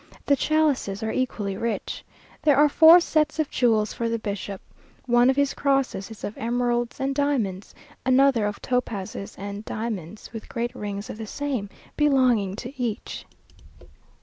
The chalices are equally rich. There are four sets of jewels for the bishop. One of his crosses is of emeralds and diamonds; another of topazes and diamonds, with great rings of the same, belonging to each.